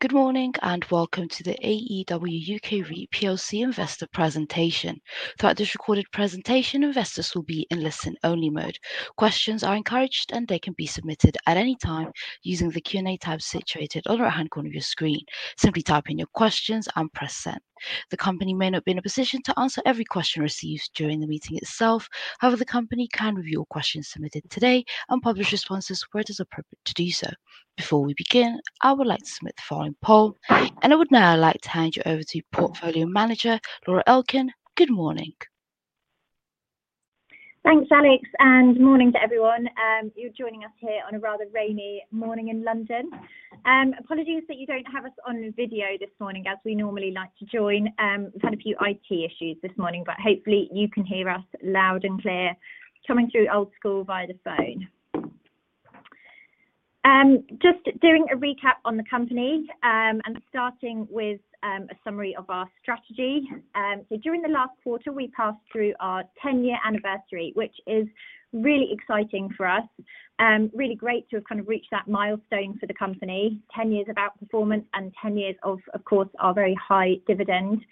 Good morning and welcome to the AEW UK REIT plc investor presentation. Throughout this recorded presentation, investors will be in listen-only mode. Questions are encouraged and they can be submitted at any time using the Q&A tab situated on the right-hand corner of your screen. Simply type in your questions and press send. The company may not be in a position to answer every question received during the meeting itself. However, the company can review your questions submitted today and publish responses where it is appropriate to do so. Before we begin, I would like to submit the following poll, and I would now like to hand you over to Portfolio Manager Laura Elkin. Good morning. Thanks, Alex, and good morning to everyone. You're joining us here on a rather rainy morning in London. Apologies that you don't have us on video this morning as we normally like to join. We've had a few IT issues this morning, but hopefully you can hear us loud and clear coming through old school via the phone. Just doing a recap on the company and starting with a summary of our strategy. During the last quarter, we passed through our 10-year anniversary, which is really exciting for us. Really great to have kind of reached that milestone for the company. 10 years of outperformance and 10 years of, of course, our very high dividend.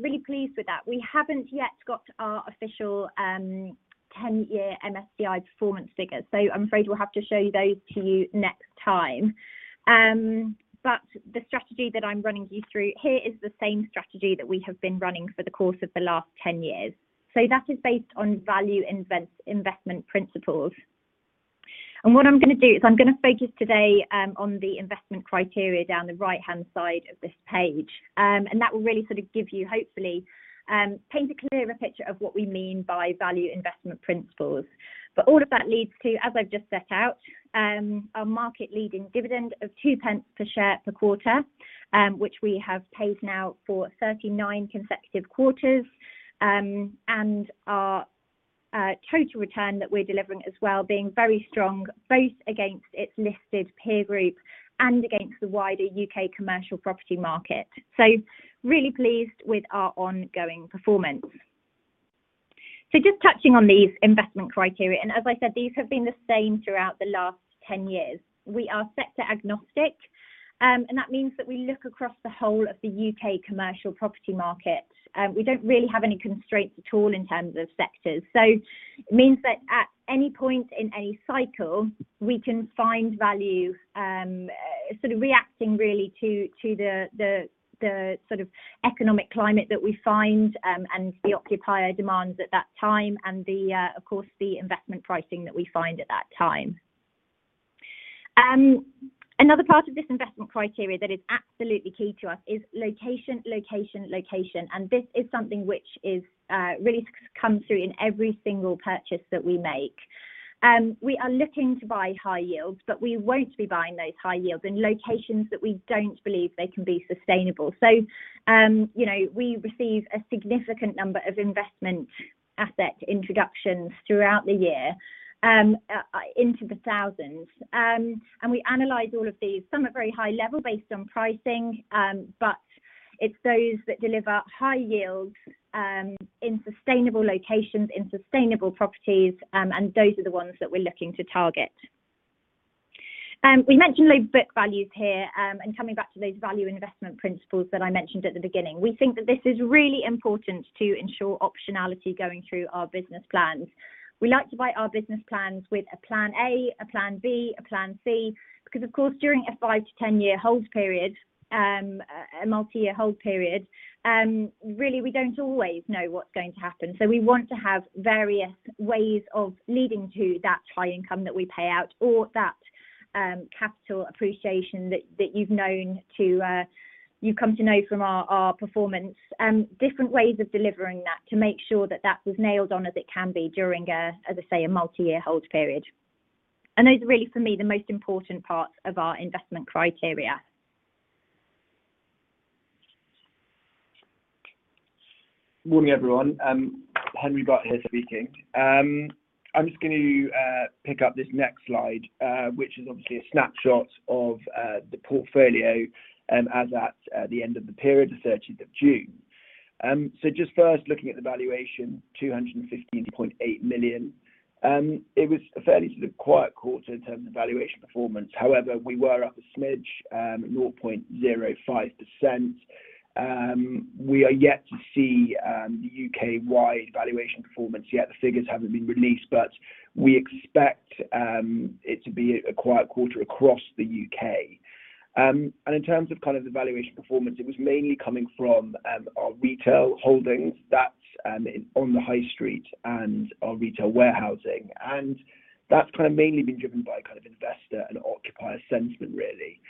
Really pleased with that. We haven't yet got our official 10-year MSCI performance figures, so I'm afraid we'll have to show those to you next time. The strategy that I'm running you through here is the same strategy that we have been running for the course of the last 10 years. That is based on value investment principles. What I'm going to do is I'm going to focus today on the investment criteria down the right-hand side of this page. That will really sort of give you hopefully a clearer picture of what we mean by value investment principles. All of that leads to, as I've just set out, our market-leading dividend of 0.02 per share per quarter, which we have paid now for 39 consecutive quarters. Our total return that we're delivering as well being very strong, both against its listed peer group and against the wider U.K. commercial property market. Really pleased with our ongoing performance. Just touching on these investment criteria, and as I said, these have been the same throughout the last 10 years. We are sector agnostic, and that means that we look across the whole of the U.K. commercial property market. We don't really have any constraints at all in terms of sectors. It means that at any point in any cycle, we can find value sort of reacting really to the sort of economic climate that we find and the occupier demands at that time, and of course, the investment pricing that we find at that time. Another part of this investment criteria that is absolutely key to us is location, location, location. This is something which really comes through in every single purchase that we make. We are looking to buy high yields, but we won't be buying those high yields in locations that we don't believe they can be sustainable. We receive a significant number of investment asset introductions throughout the year, into the thousands. We analyze all of these. Some are very high level based on pricing, but it's those that deliver high yields in sustainable locations, in sustainable properties, and those are the ones that we're looking to target. We mentioned low book values here, and coming back to those value investment principles that I mentioned at the beginning, we think that this is really important to ensure optionality going through our business plans. We like to buy our business plans with a plan A, a plan B, a plan C, because, of course, during a five to 10-year hold period, a multi-year hold period, really, we don't always know what's going to happen. We want to have various ways of leading to that high income that we pay out or that capital appreciation that you've come to know from our performance, different ways of delivering that to make sure that that is nailed on as it can be during, as I say, a multi-year hold period. Those are really, for me, the most important parts of our investment criteria. Morning, everyone. Henry Butt here speaking. I'm just going to pick up this next slide, which is obviously a snapshot of the portfolio as at the end of the period, the 30th of June. Just first looking at the valuation, 215.8 million. It was a fairly sort of quiet quarter in terms of valuation performance. However, we were up a smidge, 0.05%. We are yet to see the U.K.-wide valuation performance yet. The figures haven't been released, but we expect it to be a quiet quarter across the U.K. In terms of the valuation performance, it was mainly coming from our retail holdings that are on the High Street and our retail warehousing. That's mainly been driven by investor and occupier sentiment, really.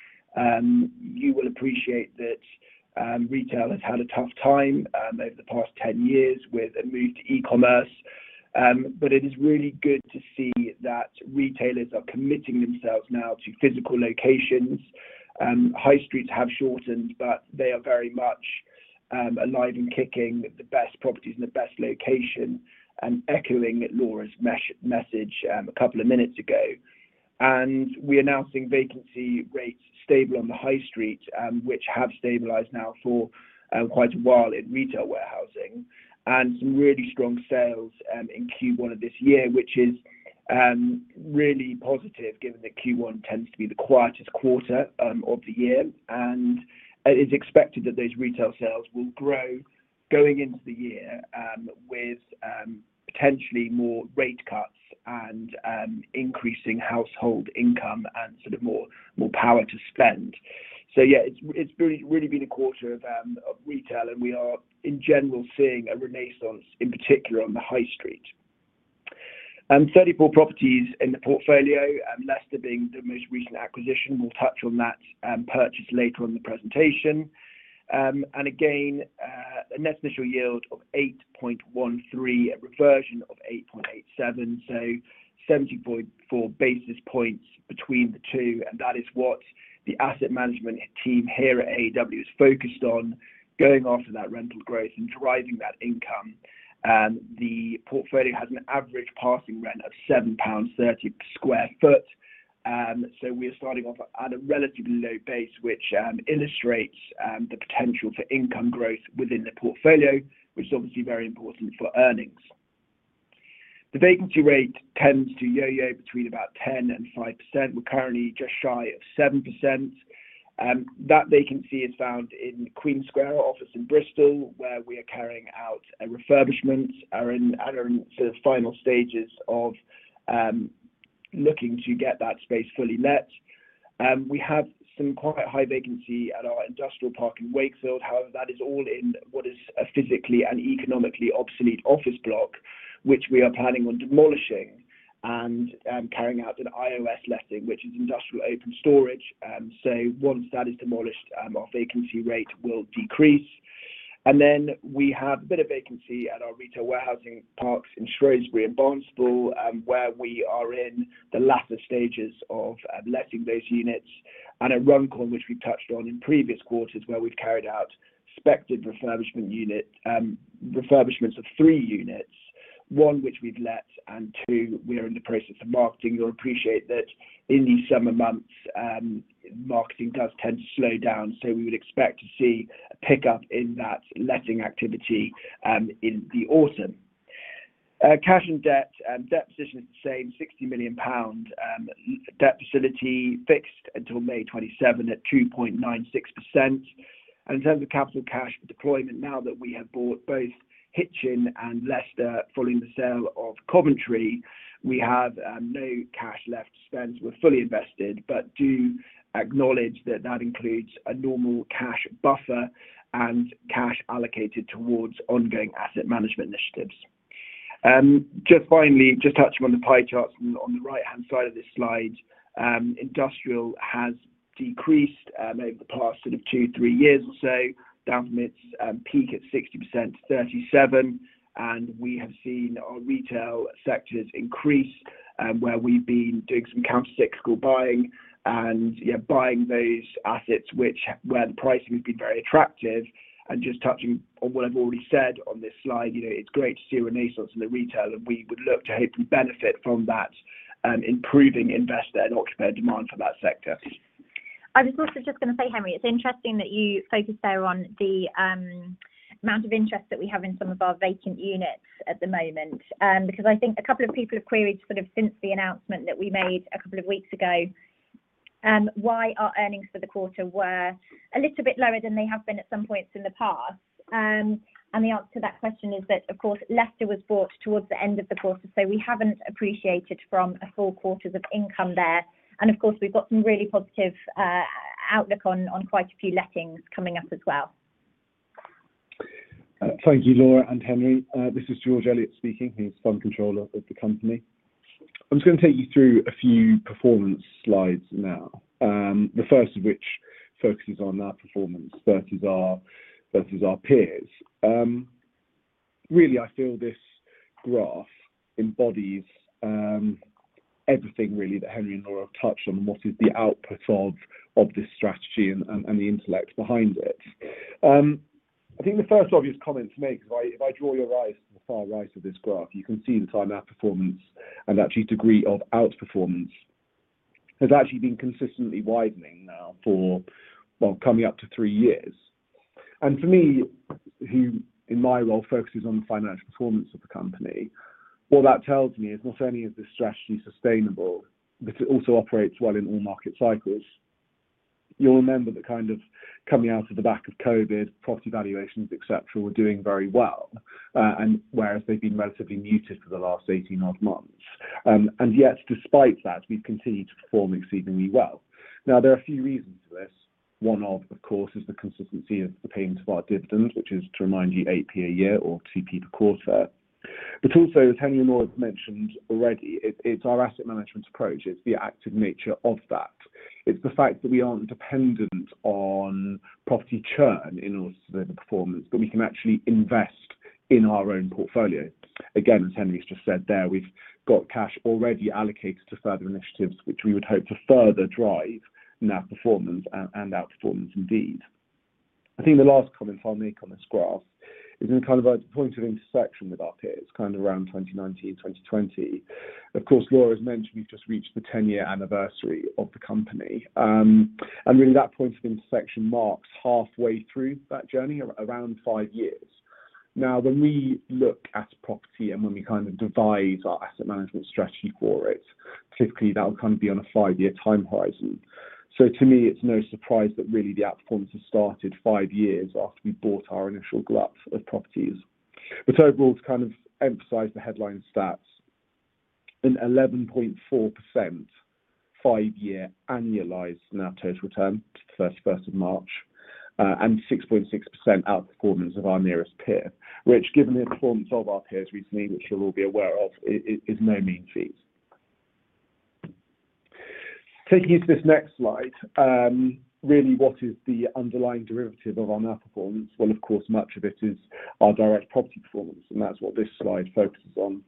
You will appreciate that retail has had a tough time over the past 10 years with a move to e-commerce. It is really good to see that retailers are committing themselves now to physical locations. High Streets have shortened, but they are very much alive and kicking the best properties in the best location and echoing Laura's message a couple of minutes ago. We are now seeing vacancy rates stable on the High Street, which have stabilized now for quite a while in retail warehousing and some really strong sales in Q1 of this year, which is really positive given that Q1 tends to be the quietest quarter of the year. It is expected that those retail sales will grow going into the year with potentially more rate cuts and increasing household income and more power to spend. It's really been a quarter of retail, and we are in general seeing a renaissance, in particular on the High Street. Thirty four properties in the portfolio, and Leicester being the most recent acquisition. We'll touch on that purchase later on in the presentation. Again, an investment yield of 8.13%, a reversion of 8.87%, so 70.4 basis points between the two. That is what the asset management team here at AEW is focused on, going after that rental growth and driving that income. The portfolio has an average passing rent of 7.30 pounds per sq ft. We are starting off at a relatively low base, which illustrates the potential for income growth within the portfolio, which is obviously very important for earnings. The vacancy rate tends to yo-yo between about 10% and 5%. We're currently just shy of 7%. That vacancy is found in the Queen Square office in Bristol, where we are carrying out a refurbishment and are in the final stages of looking to get that space fully let. We have some quite high vacancy at our industrial park in Wakefield. However, that is all in what is a physically and economically obsolete office block, which we are planning on demolishing and carrying out an IOS letting, which is industrial open storage. Once that is demolished, our vacancy rate will decrease. We have a bit of vacancy at our retail warehousing parks in Shrewsbury and Barnstaple, where we are in the latter stages of letting those units, and at Runcorn, which we've touched on in previous quarters, where we've carried out spec refurbishments of three units, one which we've let and two we are in the process of marketing. You'll appreciate that in these summer months, marketing does tend to slow down. We would expect to see a pickup in that letting activity in the autumn. Cash and debt position is the same, 60 million pound debt facility fixed until May 2027 at 2.96%. In terms of capital cash deployment, now that we have bought both Hitchin and Leicester following the sale of Coventry, we have no cash left to spend. We're fully invested, but do acknowledge that includes a normal cash buffer and cash allocated towards ongoing asset management initiatives. Finally, just touching on the pie charts on the right-hand side of this slide, industrial has decreased over the past two, three years or so, down from its peak at 60% to 37%. We have seen our retail sectors increase, where we've been doing some countercyclical buying and buying those assets where the pricing has been very attractive. Just touching on what I've already said on this slide, it's great to see a renaissance in the retail, and we would look to hopefully benefit from that improving investor and occupier demand for that sector. I was also just going to say, Henry, it's interesting that you focus there on the amount of interest that we have in some of our vacant units at the moment, because I think a couple of people have queried sort of since the announcement that we made a couple of weeks ago why our earnings for the quarter were a little bit lower than they have been at some points in the past. The answer to that question is that, of course, Leicester was bought towards the end of the quarter, so we haven't appreciated from a full quarter's of income there. Of course, we've got some really positive outlook on quite a few lettings coming up as well. Thank you, Laura and Henry. This is George Elliot speaking. He's Fund Controller at the company. I'm just going to take you through a few performance slides now, the first of which focuses on our performance versus our peers. I feel this graph embodies everything that Henry and Laura have touched on and what is the output of this strategy and the intellect behind it. I think the first obvious comment to make is if I draw your eyes to the far right of this graph, you can see the time-out performance and actually degree of outperformance has actually been consistently widening now for, coming up to three years. For me, who in my role focuses on the finance performance of the company, what that tells me is not only is this strategy sustainable, but it also operates well in all market cycles. You'll remember that coming out of the back of COVID, property valuations, etc., were doing very well, whereas they've been relatively muted for the last 18-odd months. Yet, despite that, we've continued to perform exceedingly well. There are a few reasons for this. One of, of course, is the consistency of the payments of our dividends, which is, to remind you, 0.08 a year or 0.02 per quarter. Also, as Henry and Laura have mentioned already, it's our asset management approach. It's the active nature of that. It's the fact that we aren't dependent on property churn in order to deliver performance, but we can actually invest in our own portfolio. Again, as Henry's just said there, we've got cash already allocated to further initiatives, which we would hope to further drive in our performance and outperformance indeed. I think the last comment I'll make on this graph is in a kind of a point of intersection with our peers, kind of around 2019 and 2020. Laura has mentioned we've just reached the 10-year anniversary of the company. That point of intersection marks halfway through that journey around five years. When we look at property and when we kind of devise our asset management strategy for it, typically, that will kind of be on a five-year time horizon. To me, it's no surprise that the outperformance has started five years after we bought our initial glut of properties. It's overall to kind of emphasize the headline stats: an 11.4% five-year annualized net total return to the 31st of March and 6.6% outperformance of our nearest peer, which, given the performance of our peers recently, which you'll all be aware of, is no mean feat. Taking you to this next slide, really, what is the underlying derivative of our net performance? Of course, much of it is our direct property performance, and that's what this slide focuses on.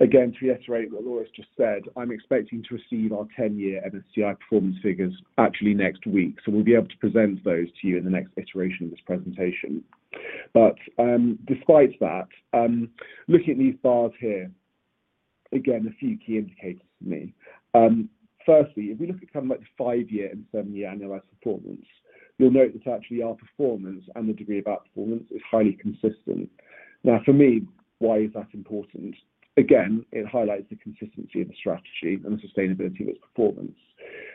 Again, to reiterate what Laura's just said, I'm expecting to receive our 10-year MSCI performance figures actually next week. We will be able to present those to you in the next iteration of this presentation. Despite that, looking at these bars here, again, a few key indicators for me. Firstly, if we look at kind of like the five-year and seven-year annualized performance, you'll note that actually our performance and the degree of outperformance is highly consistent. For me, why is that important? Again, it highlights the consistency of the strategy and the sustainability of its performance,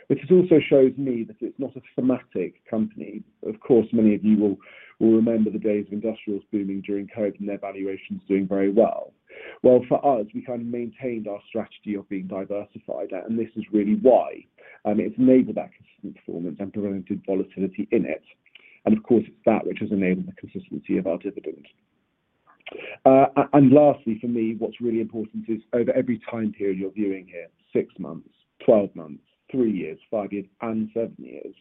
which also shows me that it's not a thematic company. Many of you will remember the days of industrials booming during COVID and their valuations doing very well. For us, we kind of maintained our strategy of being diversified, and this is really why. It's enabled that consistent performance and prevented volatility in it. Of course, it's that which has enabled the consistency of our dividend. Lastly, for me, what's really important is over every time period you're viewing here: six months, 12 months, three years, five years, and seven years.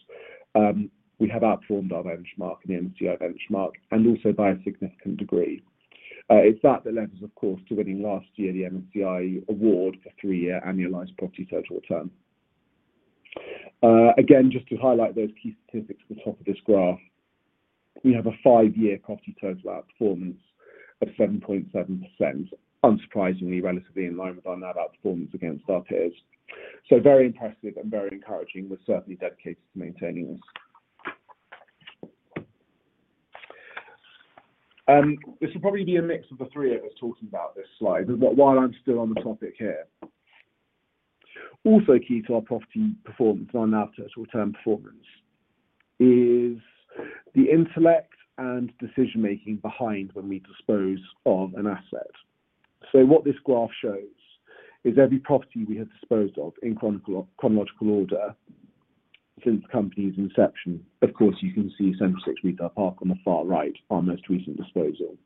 We have outperformed our benchmark and the MSCI benchmark and also by a significant degree. It's that that levers, of course, to winning last year the MSCI award for three-year annualized property total return. Again, just to highlight those key statistics at the top of this graph, we have a five-year property total outperformance of 7.7%, unsurprisingly, relatively in line with our net outperformance against our peers. Very impressive and very encouraging, was certainly dedicated to maintaining this. This will probably be a mix of the three of us talking about this slide, but while I'm still on the topic here, also key to our property performance and our net total return performance is the intellect and decision-making behind when we dispose of an asset. What this graph shows is every property we have disposed of in chronological order since the company's inception. You can see Central Six Retail Park on the far right, our most recent disposal.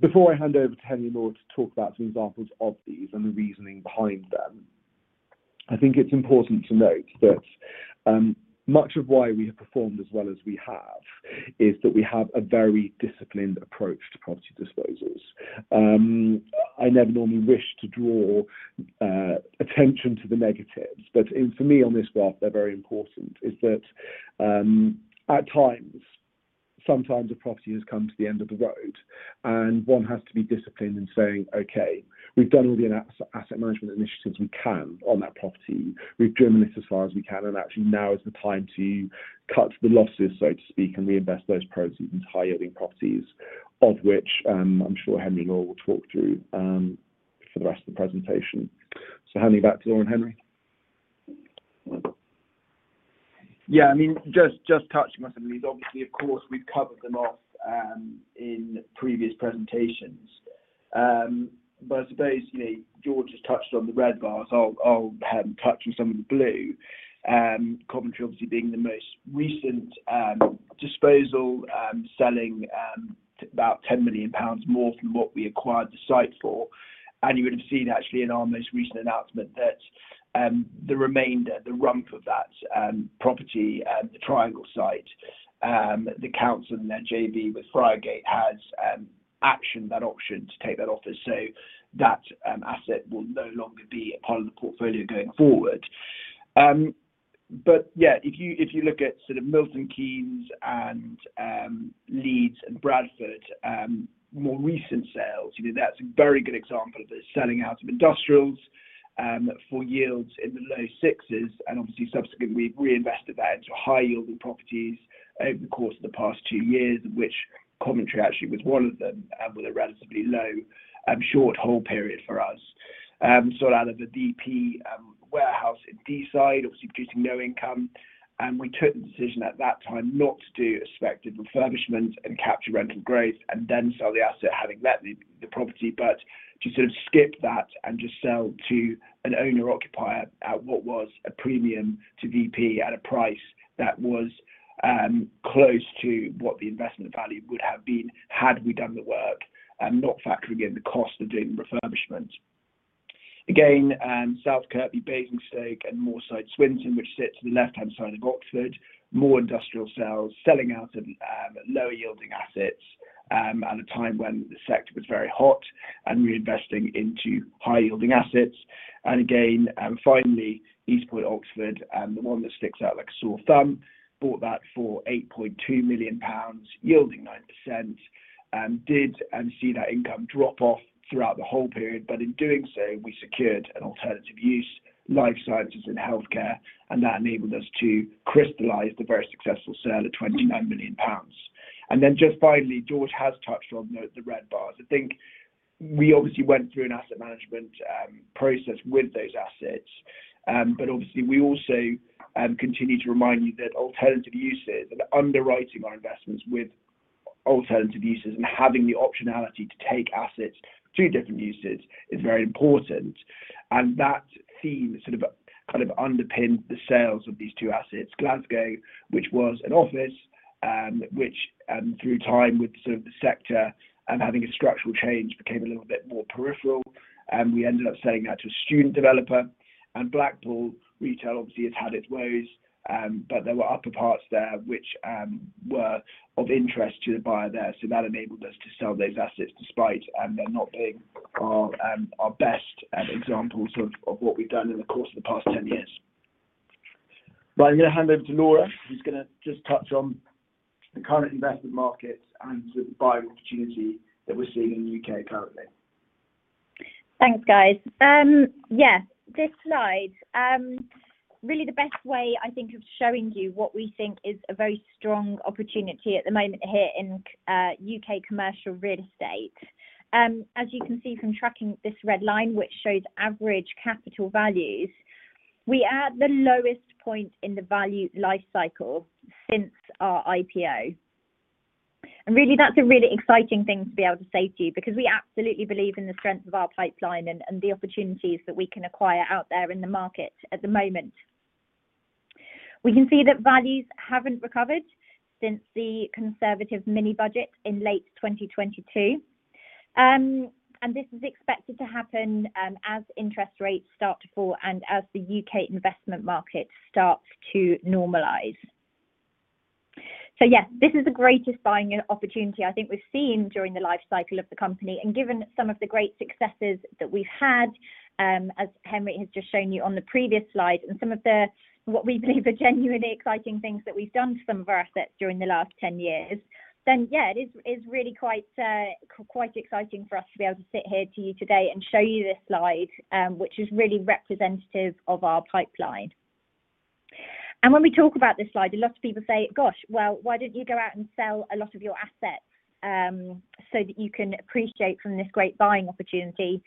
Before I hand over to Henry Butt to talk about some examples of these and the reasoning behind them, I think it's important to note that much of why we have performed as well as we have is that we have a very disciplined approach to property disposals. I never normally wish to draw attention to the negatives, but for me, on this graph, they're very important. At times, sometimes a property has come to the end of the road, and one has to be disciplined in saying, "Okay, we've done all the asset management initiatives we can on that property. We've driven it as far as we can, and actually now is the time to cut the losses, so to speak, and reinvest those proceeds into high-yielding properties," of which I'm sure Henry Butt will talk through for the rest of the presentation. Handing back to Laura and Henry. Yeah, I mean, just touching on some of these, obviously, of course, we've covered them up in previous presentations. I suppose, you know, George has touched on the red bars. I'll touch on some of the blue. Coventry obviously being the most recent disposal, selling about 10 million pounds more than what we acquired the site for. You would have seen actually in our most recent announcement that the remainder, the rump of that property, the Triangle site, the council and their JV with Friargate has actioned that option to take that office. That asset will no longer be a part of the portfolio going forward. If you look at sort of Milton Keynes and Leeds and Bradford, more recent sales, that's a very good example of the selling out of industrials for yields in the low 6%. Obviously, subsequently, we've reinvested that into high-yielding properties over the course of the past two years, which Coventry actually was one of them with a relatively low and short hold period for us. Out of the DP warehouse in Deeside, obviously producing no income. We took the decision at that time not to do a specced refurbishment and capture rent and growth and then sell the asset, having let the property, but to sort of skip that and just sell to an owner-occupier at what was a premium to DP at a price that was close to what the investment value would have been had we done the work, not factoring in the cost of doing the refurbishment. Again, South Kirkby, Basingstoke and Moorside, Swinton, which sit to the left-hand side of Oxford, more industrial sales, selling out of lower-yielding assets at a time when the sector was very hot and reinvesting into high-yielding assets. Again, finally, Eastpoint Oxford, the one that sticks out like a sore thumb, bought that for 8.2 million pounds, yielding 9%. Did see that income drop off throughout the whole period, but in doing so, we secured an alternative use, life sciences and healthcare, and that enabled us to crystallize the very successful sale at 29 million pounds. Finally, George has touched on the red bars. I think we obviously went through an asset management process with those assets. We also continue to remind you that alternative uses and underwriting our investments with alternative uses and having the optionality to take assets to different uses is very important. That theme sort of kind of underpinned the sales of these two assets. Glasgow, which was an office, which through time with sort of the sector and having a structural change became a little bit more peripheral. We ended up selling that to a student developer. Blackpool Retail obviously has had its woes, but there were upper parts there which were of interest to the buyer there. That enabled us to sell those assets despite them not being our best examples of what we've done in the course of the past 10 years. I'm going to hand over to Laura, who's going to just touch on the current investment markets and sort of the buying opportunity that we're seeing in the U.K. currently. Thanks, guys. Yeah, this slide, really the best way I think of showing you what we think is a very strong opportunity at the moment here in U.K. commercial real estate. As you can see from tracking this red line, which shows average capital values, we are at the lowest point in the value lifecycle since our IPO. That's a really exciting thing to be able to say to you because we absolutely believe in the strength of our pipeline and the opportunities that we can acquire out there in the market at the moment. We can see that values haven't recovered since the Conservative mini-budget in late 2022. This is expected to happen as interest rates start to fall and as the U.K. investment market starts to normalize. This is the greatest buying opportunity I think we've seen during the lifecycle of the company. Given some of the great successes that we've had, as Henry has just shown you on the previous slide, and some of what we believe are genuinely exciting things that we've done to some of our assets during the last 10 years, it is really quite exciting for us to be able to sit here to you today and show you this slide, which is really representative of our pipeline. When we talk about this slide, a lot of people say, "Gosh, well, why don't you go out and sell a lot of your assets so that you can appreciate from this great buying opportunity?"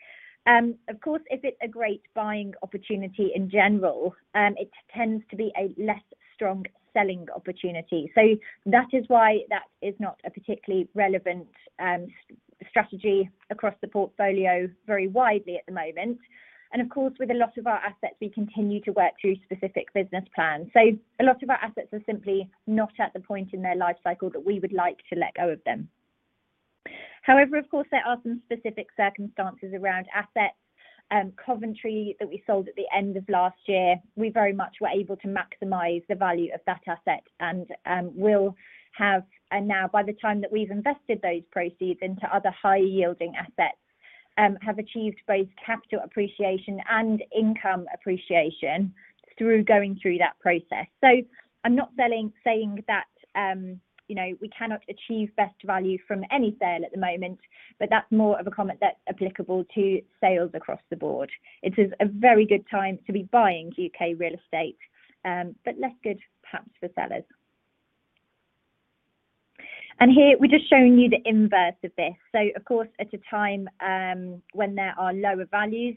Of course, is it a great buying opportunity in general? It tends to be a less strong selling opportunity. That is why that is not a particularly relevant strategy across the portfolio very widely at the moment. With a lot of our assets, we continue to work through specific business plans. A lot of our assets are simply not at the point in their lifecycle that we would like to let go of them. However, there are some specific circumstances around assets. Coventry that we sold at the end of last year, we very much were able to maximize the value of that asset and will have, and now by the time that we've invested those proceeds into other high-yielding assets, have achieved both capital appreciation and income appreciation through going through that process. I'm not saying that, you know, we cannot achieve best value from any sale at the moment, but that's more of a comment that's applicable to sales across the board. It is a very good time to be buying U.K. real estate, but less good perhaps for sellers. Here, we're just showing you the inverse of this. Of course, at a time when there are lower values,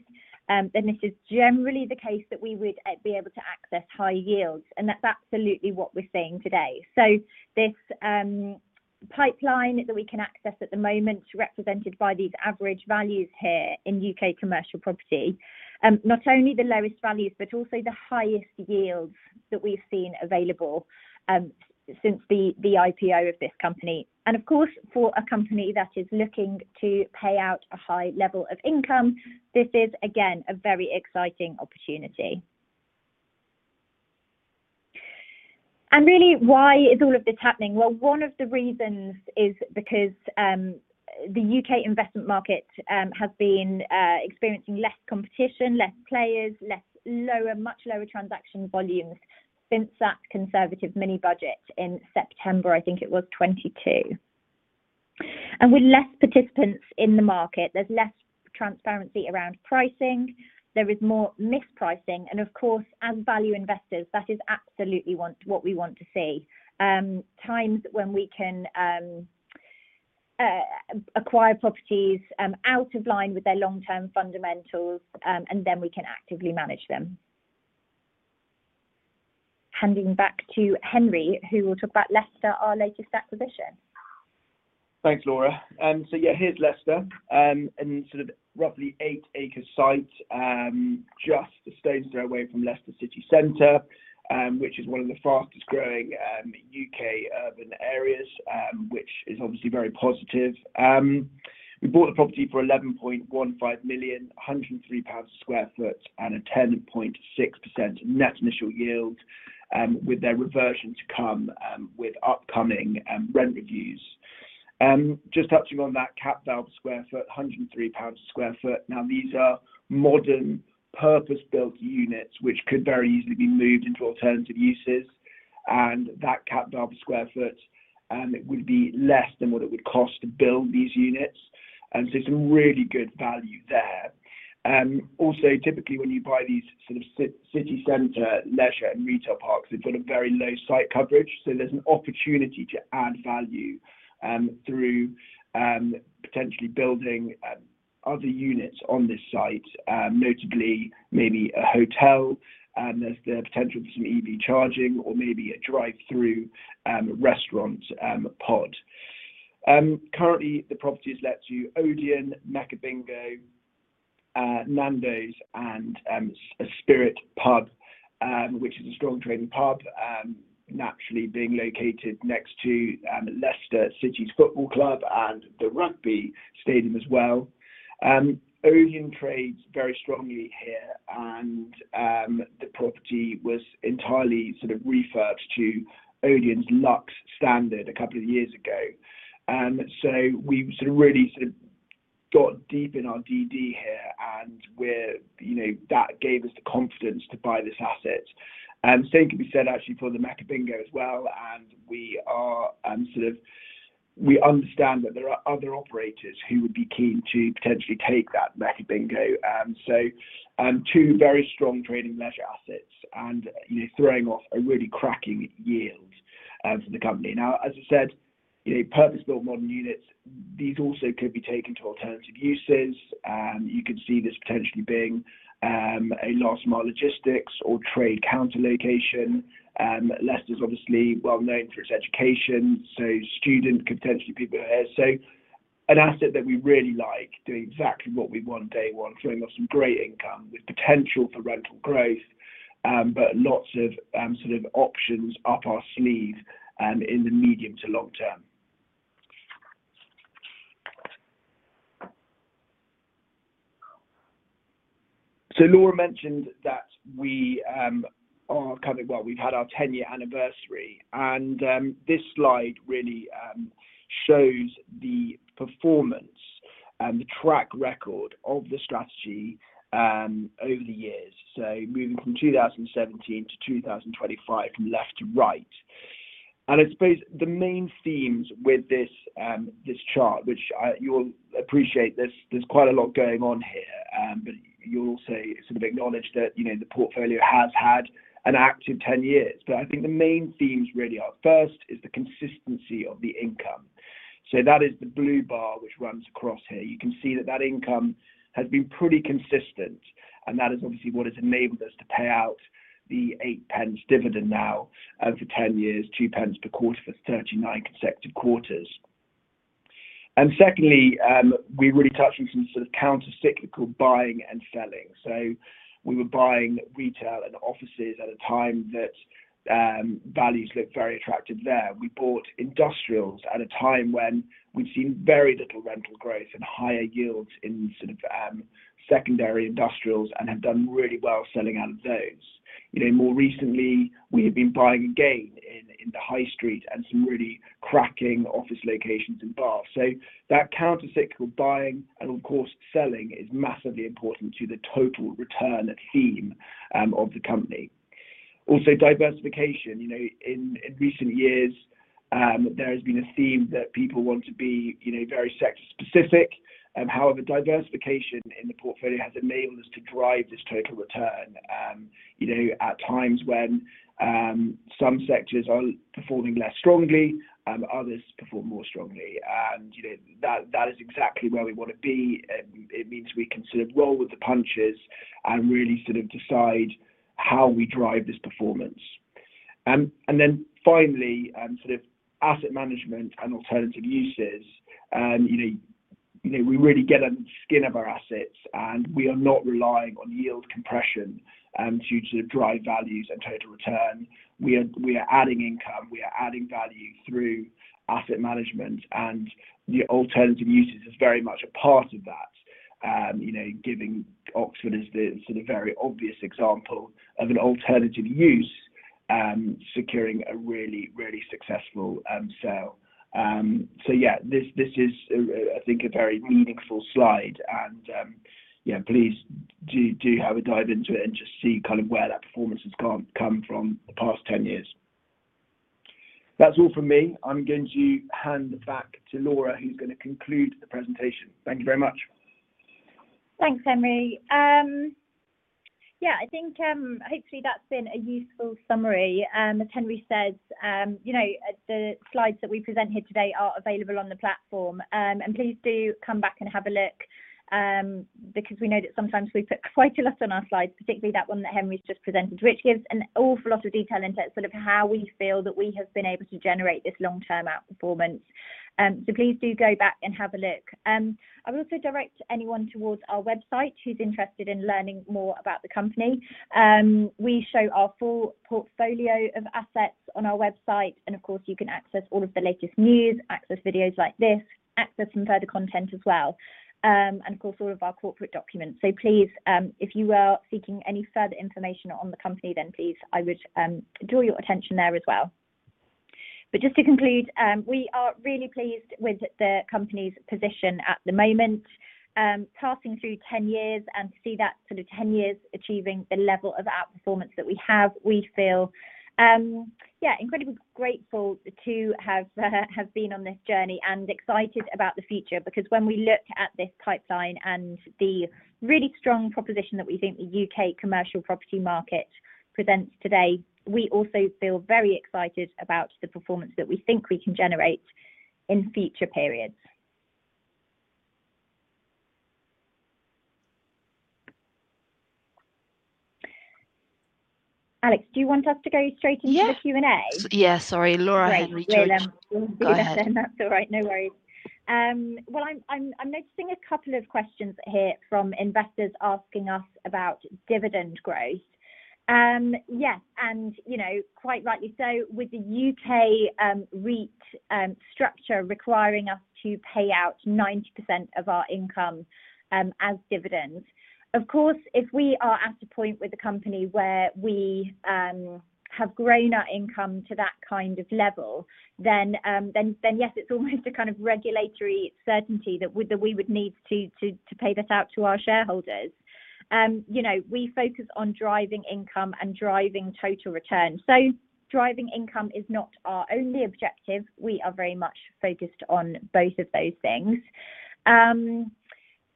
this is generally the case that we would be able to access high yields. That's absolutely what we're seeing today. This pipeline that we can access at the moment, represented by these average values here in U.K. commercial property, not only the lowest values, but also the highest yields that we've seen available since the IPO of this company. For a company that is looking to pay out a high level of income, this is again a very exciting opportunity. Really, why is all of this happening? One of the reasons is because the U.K. investment market has been experiencing less competition, fewer players, much lower transaction volumes since that Conservative mini-budget in September 2022. With fewer participants in the market, there's less transparency around pricing. There is more mispricing. As value investors, that is absolutely what we want to see—times when we can acquire properties out of line with their long-term fundamentals, and then we can actively manage them. Handing back to Henry, who will talk about Leicester, our latest acquisition. Thanks, Laura. Yeah, here's Leicester in sort of roughly eight-acre site, just a stone's throw away from Leicester City Centre, which is one of the fastest growing U.K. urban areas, which is obviously very positive. We bought the property for 11.15 million, 103 pounds per sq ft, and a 10.6% net initial yield, with their reversion to come with upcoming rent reviews. Just touching on that, cap value per sq ft, 103 pounds per sq ft. These are modern, purpose-built units, which could very easily be moved into alternative uses. That cap value per sq ft would be less than what it would cost to build these units, so some really good value there. Also, typically, when you buy these sort of city centre leisure and retail parks, they've got a very low site coverage. There's an opportunity to add value through potentially building other units on this site, notably maybe a hotel. There's the potential for some EV charging or maybe a drive-through restaurant pod. Currently, the property is let to Odeon, Mecca Bingo, Nando's, and a Spirit Pub [Company], which is a strong trading Pub, naturally being located next to Leicester City's football club and the rugby stadium as well. Odeon trades very strongly here, and the property was entirely refurbished to Odeon's Luxe standard a couple of years ago. We really got deep in our DD here, and that gave us the confidence to buy this asset. Same can be said actually for the Mecca Bingo as well. We understand that there are other operators who would be keen to potentially take that Mecca Bingo. Two very strong trading leisure assets, throwing off a really cracking yield for the company. As I said, purpose-built modern units, these also could be taken to alternative uses. You could see this potentially being a last-mile logistics or trade counter location. Leicester's obviously well known for its education, so students could potentially be here. An asset that we really like, doing exactly what we want day one, throwing off some great income with potential for rental growth, but lots of options up our sleeve in the medium to long term. Laura mentioned that we are coming, we've had our 10-year anniversary, and this slide really shows the performance and the track record of the strategy over the years. Moving from 2017 to 2025 from left to right. I suppose the main themes with this chart, which you'll appreciate, there's quite a lot going on here, but you'll also sort of acknowledge that the portfolio has had an active 10 years. I think the main themes really are first is the consistency of the income. That is the blue bar, which runs across here. You can see that income has been pretty consistent, and that is obviously what has enabled us to pay out the 0.08 dividend now for 10 years, 0.02 per quarter for 39 consecutive quarters. Secondly, we're really touching some sort of countercyclical buying and selling. We were buying retail and offices at a time that values looked very attractive there. We bought industrials at a time when we'd seen very little rental growth and higher yields in sort of secondary industrials and have done really well selling out of those. More recently, we have been buying again in the High Street and some really cracking office locations and bars. That countercyclical buying and, of course, selling is massively important to the total return theme of the company. Also, diversification. In recent years, there has been a theme that people want to be very sector-specific. However, diversification in the portfolio has enabled us to drive this total return. At times when some sectors are performing less strongly, others perform more strongly. That is exactly where we want to be. It means we can sort of roll with the punches and really sort of decide how we drive this performance. Finally, sort of asset management and alternative uses. We really get on the skin of our assets, and we are not relying on yield compression to sort of drive values and total return. We are adding income. We are adding value through asset management, and the alternative uses is very much a part of that. Giving Oxford is the sort of very obvious example of an alternative use securing a really, really successful sale. This is, I think, a very meaningful slide. Please do have a dive into it and just see kind of where that performance has come from the past 10 years. That's all from me. I'm going to hand back to Laura, who's going to conclude the presentation. Thank you very much. Thanks, Henry. I think hopefully that's been a useful summary. As Henry said, the slides that we presented today are available on the platform. Please do come back and have a look because we know that sometimes we put quite a lot on our slides, particularly that one that Henry's just presented, which gives an awful lot of detail into how we feel that we have been able to generate this long-term outperformance. Please do go back and have a look. I would also direct anyone towards our website who's interested in learning more about the company. We show our full portfolio of assets on our website. Of course, you can access all of the latest news, access videos like this, access some further content as well, and of course, all of our corporate documents. If you are seeking any further information on the company, then I would draw your attention there as well. Just to conclude, we are really pleased with the company's position at the moment, passing through 10 years. To see that 10 years achieving the level of outperformance that we have, we feel incredibly grateful to have been on this journey and excited about the future because when we look at this pipeline and the really strong proposition that we think the U.K. commercial property market presents today, we also feel very excited about the performance that we think we can generate in future periods. Alex, do you want us to go straight into the Q&A? Sorry, Laura, I hadn't reached out. Go ahead. That's all right. No worries. I'm noticing a couple of questions here from investors asking us about dividend growth. Yes. Quite rightly so, with the U.K. REIT structure requiring us to pay out 90% of our income as dividends, of course, if we are at a point with the company where we have grown our income to that kind of level, then yes, it's almost a kind of regulatory certainty that we would need to pay this out to our shareholders. We focus on driving income and driving total return. Driving income is not our only objective. We are very much focused on both of those things.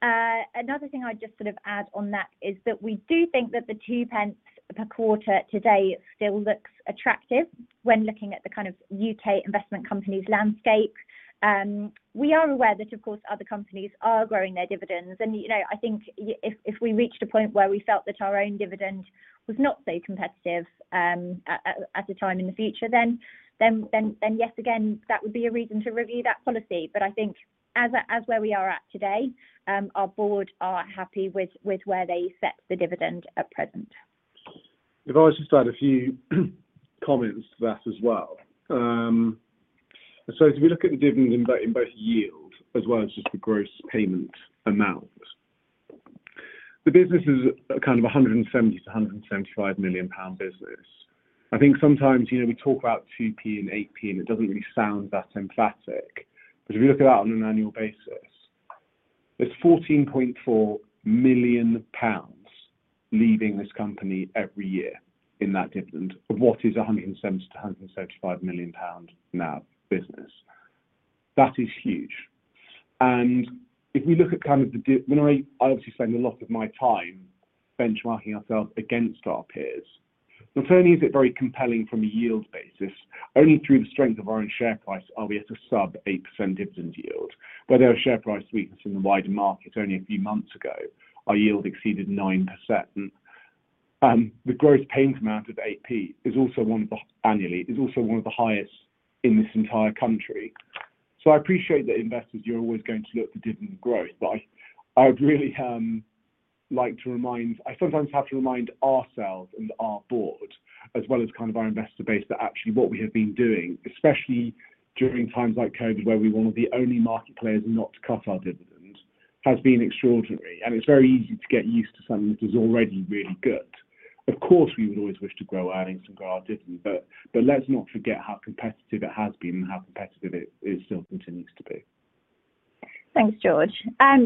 Another thing I'd just sort of add on that is that we do think that the 0.02 per quarter today still looks attractive when looking at the kind of U.K. investment companies' landscape. We are aware that, of course, other companies are growing their dividends. I think if we reached a point where we felt that our own dividend was not so competitive at a time in the future, then yes, again, that would be a reason to review that policy. As where we are at today, our board are happy with where they set the dividend at present. If I was to start a few comments to that as well. I suppose if we look at the dividend in both yield as well as just the gross payment amount, the business is a kind of 170 million-175 million pound business. I think sometimes, you know, we talk about 0.02 and 0.08, and it doesn't really sound that emphatic. If you look at that on an annual basis, there's 14.4 million pounds leaving this company every year in that dividend of what is a 170 million-175 million pound business. That is huge. If we look at kind of the, when I obviously spend a lot of my time benchmarking ourselves against our peers, not only is it very compelling from a yield basis, only through the strength of our own share price are we at a sub-8% dividend yield. Where there was share price weakness in the wider market only a few months ago, our yield exceeded 9%. The gross payment amount of 0.08 is also, annually, one of the highest in this entire country. I appreciate that investors, you're always going to look for dividend growth. I'd really like to remind, I sometimes have to remind ourselves and our board, as well as kind of our investor base, that actually what we have been doing, especially during times like COVID, where we're one of the only market players not to cut our dividends, has been extraordinary. It's very easy to get used to something that is already really good. Of course, we would always wish to grow earnings and grow our dividend, but let's not forget how competitive it has been and how competitive it still continues to be. Thanks, George.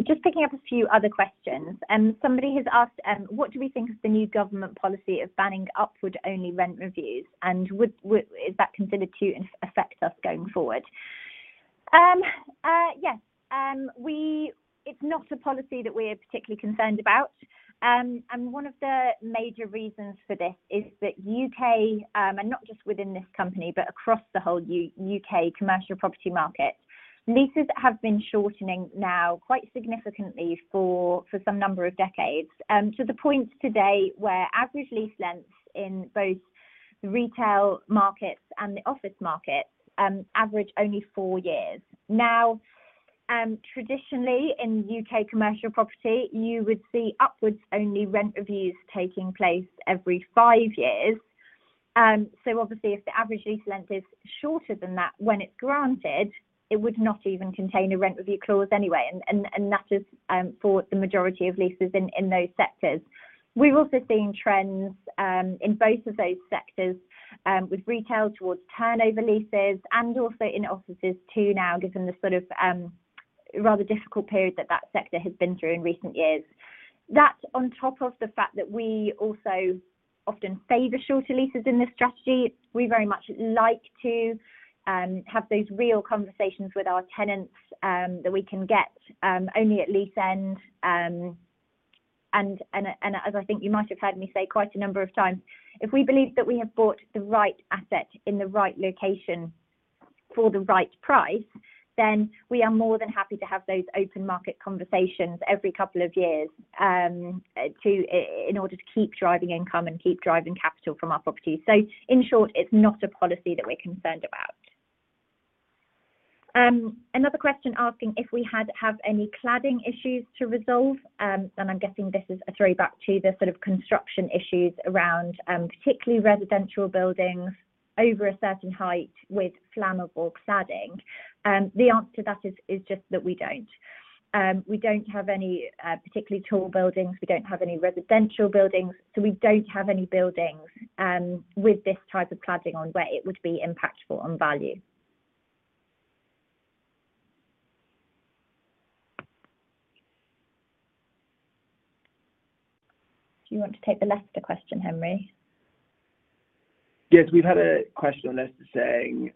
Just picking up a few other questions. Somebody has asked, what do we think of the new government policy of banning upward-only rent reviews? Is that considered to affect us going forward? Yes. It's not a policy that we're particularly concerned about. One of the major reasons for this is that U.K., and not just within this company, but across the whole U.K. commercial property market, leases have been shortening now quite significantly for some number of decades, to the point today where average lease lengths in both the retail markets and the office markets average only four years. Traditionally, in U.K. commercial property, you would see upward-only rent reviews taking place every five years. Obviously, if the average lease length is shorter than that when it's granted, it would not even contain a rent review clause anyway. That is for the majority of leases in those sectors. We've also seen trends in both of those sectors, with retail towards turnover leases and also in offices too, now given the sort of rather difficult period that that sector has been through in recent years. That, on top of the fact that we also often favor shorter leases in this strategy, we very much like to have those real conversations with our tenants that we can get only at lease end. As I think you might have heard me say quite a number of times, if we believe that we have bought the right asset in the right location for the right price, then we are more than happy to have those open market conversations every couple of years in order to keep driving income and keep driving capital from our properties. In short, it's not a policy that we're concerned about. Another question asking if we had to have any cladding issues to resolve, and I'm guessing this is a throwback to the sort of construction issues around particularly residential buildings over a certain height with flammable cladding. The answer to that is just that we don't. We don't have any particularly tall buildings. We don't have any residential buildings. We don't have any buildings with this type of cladding on where it would be impractical on value. Do you want to take the Leicester question, Henry? Yes, we've had a question on Leicester saying,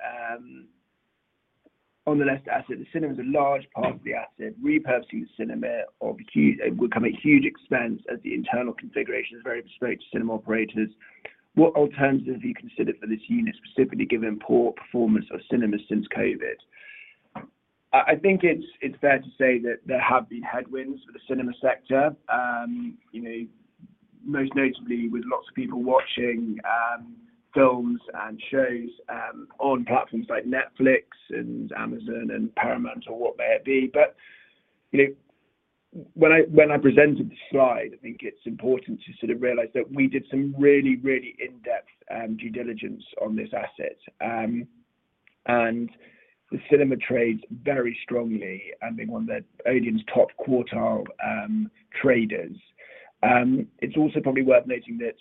"On the Leicester asset, the cinema is a large part of the asset. Repurposing the cinema would come at huge expense as the internal configuration is very restrained to cinema operators. What alternatives have you considered for this unit, specifically given poor performance of cinema since COVID?" I think it's fair to say that there have been headwinds for the cinema sector, most notably with lots of people watching films and shows on platforms like Netflix and Amazon and Paramount or what may it be. When I presented the slide, I think it's important to sort of realize that we did some really, really in-depth due diligence on this asset. The cinema trades very strongly and being one of the Odeon's top quartile traders. It's also probably worth noting that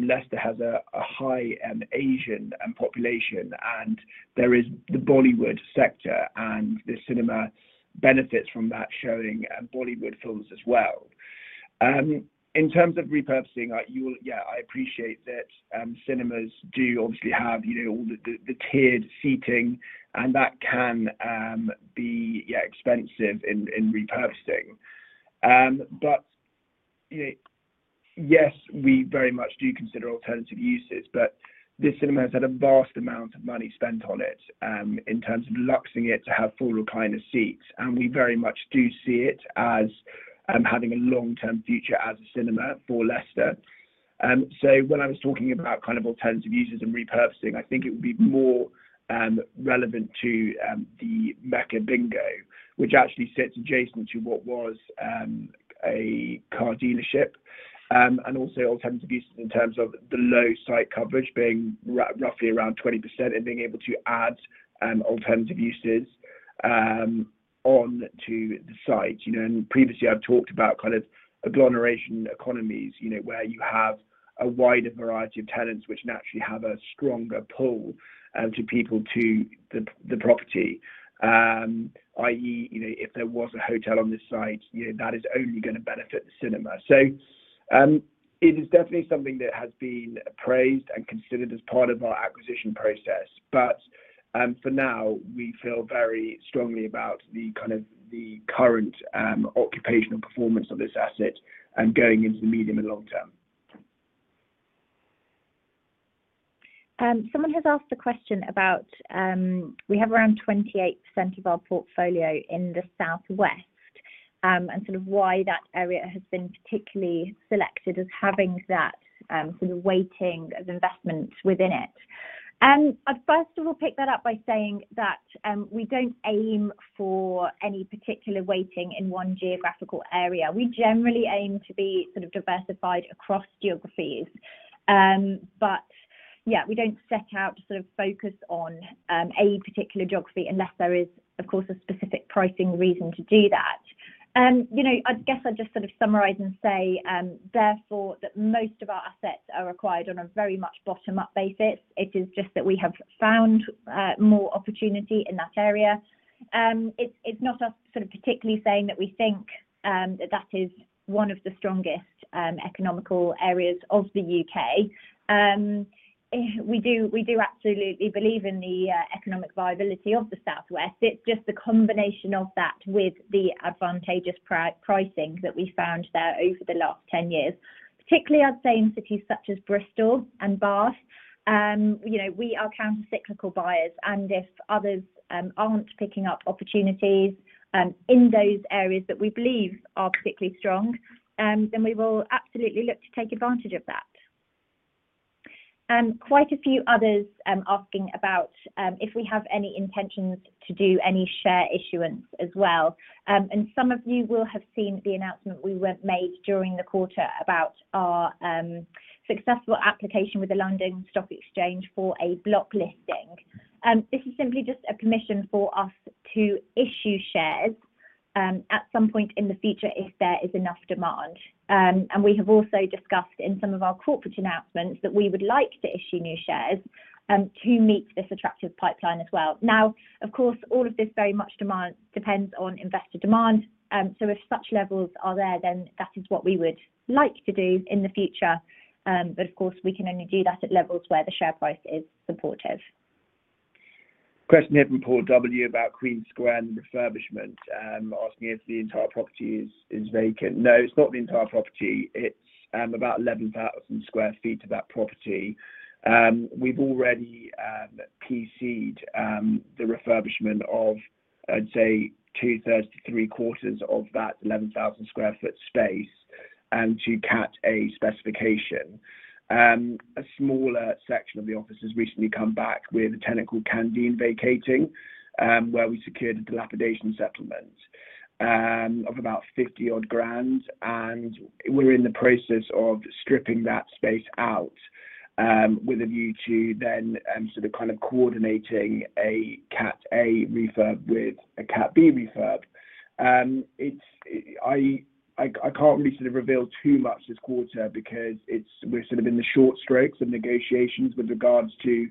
Leicester has a high Asian population, and there is the Bollywood sector, and the cinema benefits from that showing Bollywood films as well. In terms of repurposing, I appreciate that cinemas do obviously have all the tiered seating, and that can be expensive in repurposing. Yes, we very much do consider alternative uses, but this cinema has had a vast amount of money spent on it in terms of luxing it to have full recliner seats. We very much do see it as having a long-term future as a cinema for Leicester. When I was talking about kind of alternative uses and repurposing, I think it would be more relevant to the Mecca Bingo, which actually sits adjacent to what was a car dealership. Also, alternative use in terms of the low site coverage being roughly around 20% and being able to add alternative uses onto the site. Previously, I've talked about kind of agglomeration economies, where you have a wider variety of tenants which naturally have a stronger pull to people to the property. I.e., if there was a hotel on this site, that is only going to benefit the cinema. It is definitely something that has been praised and considered as part of our acquisition process. For now, we feel very strongly about the current occupational performance of this asset and going into the medium and long term. Someone has asked a question about, "We have around 28% of our portfolio in the southwest and sort of why that area has been particularly selected as having that sort of weighting of investment within it." I'd first of all pick that up by saying that we don't aim for any particular weighting in one geographical area. We generally aim to be sort of diversified across geographies. We don't set out to sort of focus on a particular geography unless there is, of course, a specific pricing reason to do that. I guess I'd just sort of summarize and say, therefore, that most of our assets are acquired on a very much bottom-up basis. It is just that we have found more opportunity in that area. It's not us sort of particularly saying that we think that that is one of the strongest economical areas of the U.K. We do absolutely believe in the economic viability of the southwest. It's just the combination of that with the advantageous pricing that we found there over the last 10 years, particularly, I'd say, in cities such as Bristol & Bath. We are countercyclical buyers. If others aren't picking up opportunities in those areas that we believe are particularly strong, then we will absolutely look to take advantage of that. Quite a few others asking about if we have any intentions to do any share issuance as well. Some of you will have seen the announcement we made during the quarter about our successful application with the London Stock Exchange for a block listing. This is simply just a permission for us to issue shares at some point in the future if there is enough demand. We have also discussed in some of our corporate announcements that we would like to issue new shares to meet this attractive pipeline as well. Of course, all of this very much depends on investor demand. If such levels are there, then that is what we would like to do in the future. Of course, we can only do that at levels where the share price is supportive. Question here from Paul W about Queen Square and the refurbishment, asking if the entire property is vacant. No, it's not the entire property. It's about 11,000 sq ft of that property. We've already proceeded with the refurbishment of, I'd say, 2/3 to 3/4 of that 11,000 sq ft space to Cat A specification. A smaller section of the office has recently come back with a tenant called Candine vacating, where we secured a dilapidation settlement of about 50,000. We're in the process of stripping that space out with a view to then coordinating a Cat A refurb with a Cat B refurb. I can't really reveal too much this quarter because we're in the short strokes of negotiations with regards to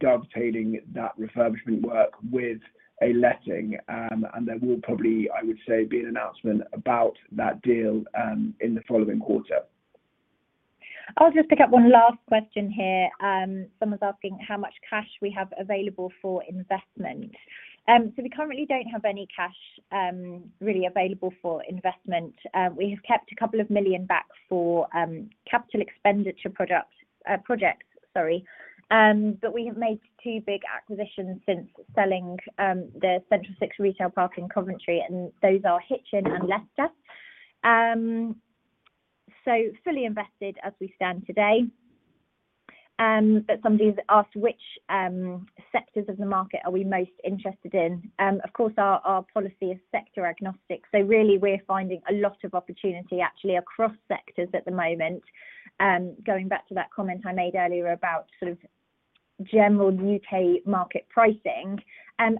dovetailing that refurbishment work with a letting. There will probably, I would say, be an announcement about that deal in the following quarter. I'll just pick up one last question here. Someone's asking how much cash we have available for investment. We currently don't have any cash really available for investment. We have kept a couple of million back for capital expenditure projects, sorry. We have made two big acquisitions since selling the Central Six Retail Park in Coventry, and those are Hitchin and Leicester. We are fully invested as we stand today. Somebody has asked, "Which sectors of the market are we most interested in?" Our policy is sector agnostic. We're finding a lot of opportunity, actually, across sectors at the moment, going back to that comment I made earlier about sort of general U.K. market pricing. I'd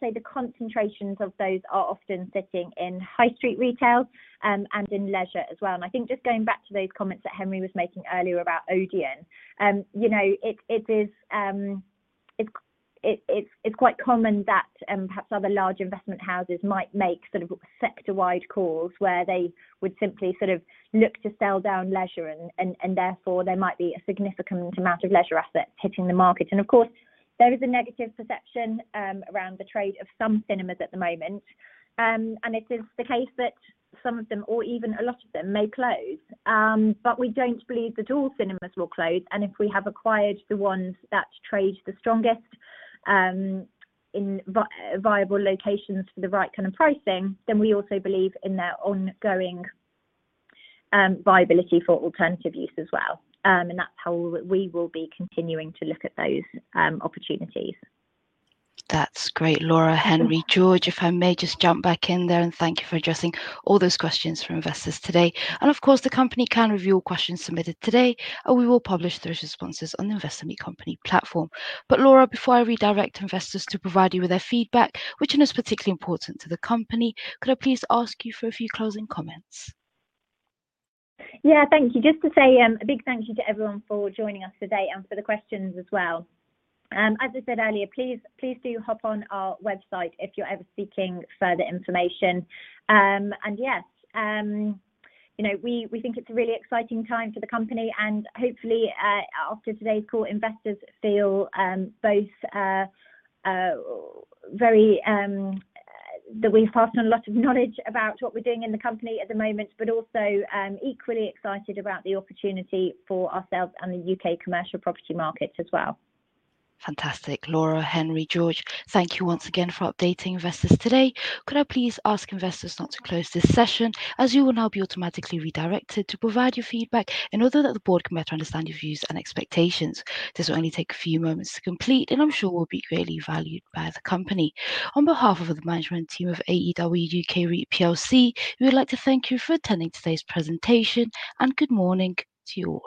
say the concentrations of those are often sitting in High Street Retail and in leisure as well. Just going back to those comments that Henry was making earlier about Odeon, it's quite common that perhaps other large investment houses might make sort of sector-wide calls where they would simply look to sell down leisure, and therefore, there might be a significant amount of leisure assets hitting the market. There is a negative perception around the trade of some cinemas at the moment. It is the case that some of them, or even a lot of them, may close. We don't believe that all cinemas will close. If we have acquired the ones that trade the strongest in viable locations for the right kind of pricing, then we also believe in their ongoing viability for alternative use as well. That's how we will be continuing to look at those opportunities. That's great, Laura, Henry, George, if I may just jump back in there and thank you for addressing all those questions from investors today. The company can review all questions submitted today, and we will publish those responses on the Investor Meet Company platform. Laura, before I redirect investors to provide you with their feedback, which is particularly important to the company, could I please ask you for a few closing comments? Yeah, thank you. Just to say a big thank you to everyone for joining us today and for the questions as well. As I said earlier, please do hop on our website if you're ever seeking further information. Yes, you know, we think it's a really exciting time for the company. Hopefully, after today's call, investors feel both very that we've passed on a lot of knowledge about what we're doing in the company at the moment, but also equally excited about the opportunity for ourselves and the U.K. commercial property markets as well. Fantastic. Laura, Henry, George, thank you once again for updating investors today. Could I please ask investors not to close this session, as you will now be automatically redirected to provide your feedback in order that the board can better understand your views and expectations. This will only take a few moments to complete, and I'm sure will be greatly valued by the company. On behalf of the management team of AEW UK REIT plc, we would like to thank you for attending today's presentation and good morning to you all.